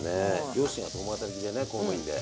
両親が共働きでね公務員で。